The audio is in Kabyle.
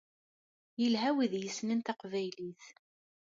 Yelha wid yessnen taqbaylit.